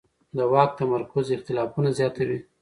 د واک تمرکز اختلافونه زیاتوي